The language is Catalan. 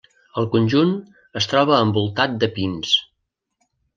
El conjunt es troba envoltat de pins.